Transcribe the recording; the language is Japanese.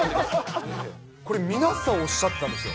これ、皆さんおっしゃってたんですよ。